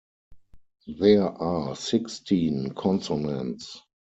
There are sixteen consonants.